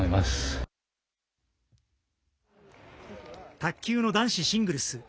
卓球の男子シングルス